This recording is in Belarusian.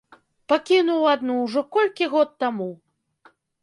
Пакінуў адну ўжо колькі год таму!